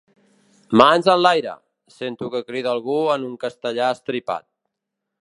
Mans enlaire! —sento que crida algú en un castellà estripat.